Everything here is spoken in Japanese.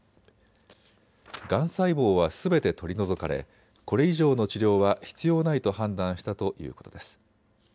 がん細胞はすべて取り除かれこれ以上の治療は必要ないと判断したということです。